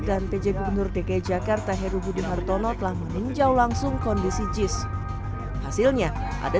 dan pj gubernur dki jakarta heru budi hartono telah meninjau langsung kondisi jis hasilnya ada